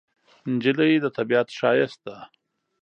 نجلۍ د طبیعت ښایست ده.